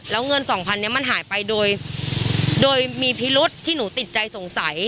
แล้วเงินสองพันนี้มันหายไปโดยมีพิรุษที่หนูติดใจสงสัย